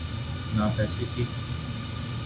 نہ پیسے کی۔